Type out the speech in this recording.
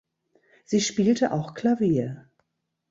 Sie spielte auch Klavier.